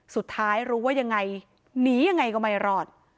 สุดท้ายรู้ว่ายังไงหนียังไงก็ไม่รอด